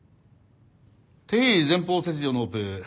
定位前方切除のオペ